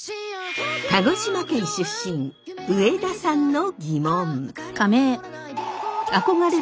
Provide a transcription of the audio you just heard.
鹿児島県出身上田さんのギモン。